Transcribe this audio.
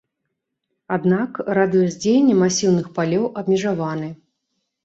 Аднак, радыус дзеяння масіўных палёў абмежаваны.